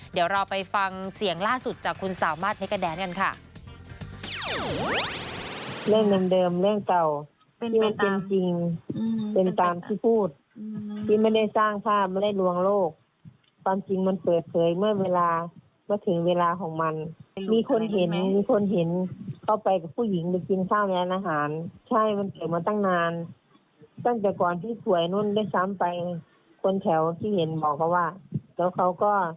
เดี๋ยวเราไปฟังเสียงล่าสุดจากคุณสามารถเพชรกะแดนกันค่ะ